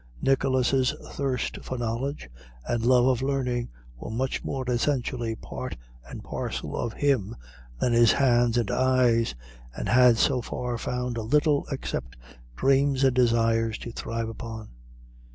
Nicholas's thirst for knowledge and love of learning were much more essentially part and parcel of him than his hands and eyes, and had so far found little except dreams and desires to thrive upon.